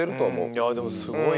いやでもすごい。